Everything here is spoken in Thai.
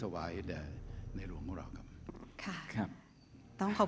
เพราะฉะนั้นเราทำกันเนี่ย